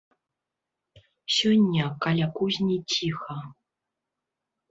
Сёння каля кузні ціха.